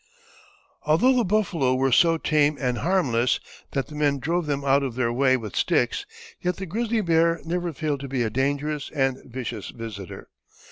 ] Although the buffalo were so tame and harmless that the men drove them out of their way with sticks, yet the grizzly bear never failed to be a dangerous and vicious visitor.